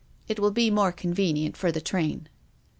It will be more convenient for the train."